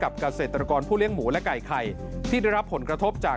โปรดติดตามต่อไป